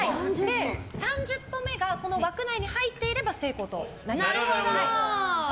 ３０歩目が、この枠内に入っていれば成功となります。